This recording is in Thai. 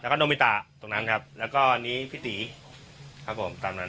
แล้วก็โนมิตะตรงนั้นครับแล้วก็อันนี้พี่ตีครับผมตามนั้น